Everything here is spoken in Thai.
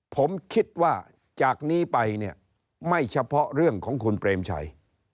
ผมคิดว่าจากนี้ไปเนี่ยไม่เฉพาะเรื่องของคุณเปรมชัย